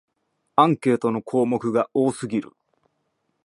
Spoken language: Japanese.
アンケートの項目が多すぎる